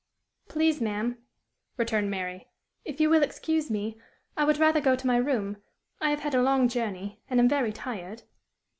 "Please, ma'am," returned Mary, "if you will excuse me, I would rather go to my room. I have had a long journey, and am very tired."